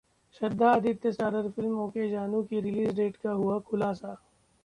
श्रद्धा-आदित्य starrer film 'okay जानू' की release date का हुआ खुलासा